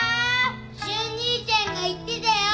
俊にいちゃんが言ってたよ。